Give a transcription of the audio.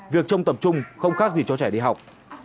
việc trông tập trung không khác gì cho trẻ đi học